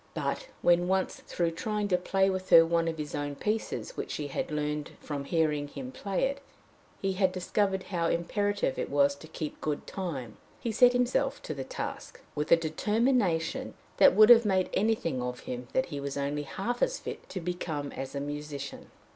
But, when once, through trying to play with her one of his own pieces which she had learned from hearing him play it, he had discovered how imperative it was to keep good time, he set himself to the task with a determination that would have made anything of him that he was only half as fit to become as a musician.